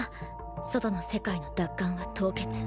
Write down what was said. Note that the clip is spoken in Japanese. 外の世界の奪還は凍結。